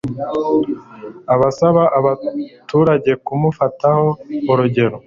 basaba abaturage kumufataho urugero